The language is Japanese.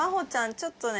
ちょっとね